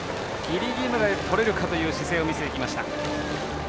ギリギリまでとれるかという姿勢を見せました。